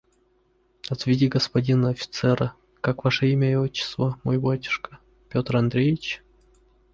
Отведи господина офицера… как ваше имя и отчество, мой батюшка? Петр Андреич?..